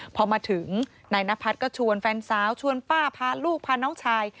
พอมาถึงนายนพัฒน์ก็ชวนแฟนสาวชวนป้าพาลูกพาน้องชาย